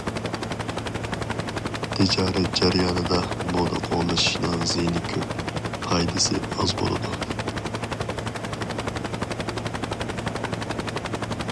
تىجارەت جەريانىدا مودا قوغلىشىشنىڭ زىيىنى كۆپ، پايدىسى ئاز بولىدۇ.